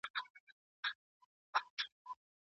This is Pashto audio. د زاهد مکاري سترګي تر مُغان ولي راځي